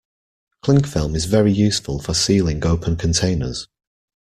Clingfilm is very useful for sealing open containers